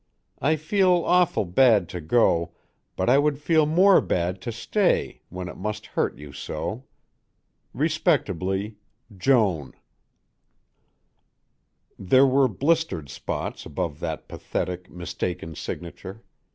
I feel awful bad to go but I would feel more bad to stay when it must hurt you so. Respectably JOAN There were blistered spots above that pathetic, mistaken signature.